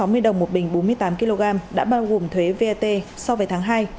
một bình bốn mươi tám kg đã bao gồm thuế vat so với tháng hai